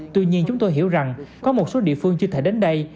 tuy nhiên chúng tôi hiểu rằng có một số địa phương chưa thể đến đây